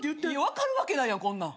分かるわけないやんこんなん。